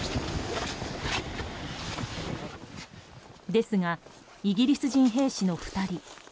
ですが、イギリス人兵士の２人。